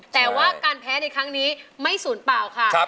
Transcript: แต่ว่าการแพ้ในครั้งนี้ไม่ศูนย์เปล่าค่ะ